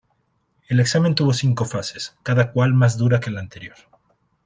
El examen tuvo cinco fases, cada cual más dura que la anterior.